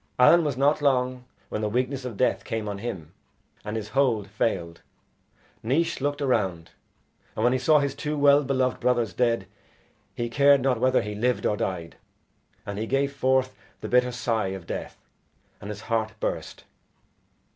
Allen was not long when the weakness of death came on him, and his hold failed. Naois looked around, and when he saw his two well beloved brothers dead, he cared not whether he lived or died, and he gave forth the bitter sigh of death, and his heart burst.